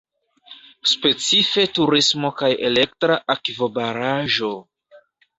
Specife turismo kaj elektra akvobaraĵo.